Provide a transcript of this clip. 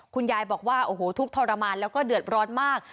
คุณยายบอกว่าโอ้โหทุกข์ทรมานแล้วก็เดือดร้อนมาก